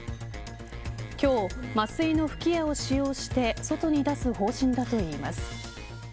今日、麻酔の吹き矢を使用して外に出す方針だといいます。